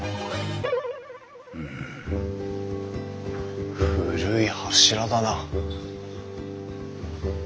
うむ古い柱だな。